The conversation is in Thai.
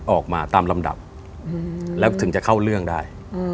ออกมาตามลำดับแล้วถึงจะเข้าเรื่องได้